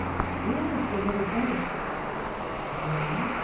"Where is the little boat?" "There.